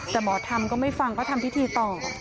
แต่หมอธรรมก็ไม่ฟังก็ทำพิธีต่อ